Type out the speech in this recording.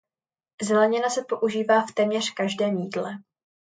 Zelenina se používá v téměř každém jídle.